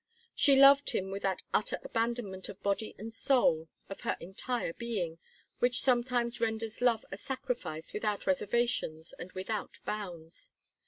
She loved him with that utter abandonment of body and soul, of her entire being, which sometimes renders love a sacrifice without reservations and without bounds.